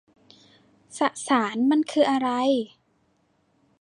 สสารมันคืออะไร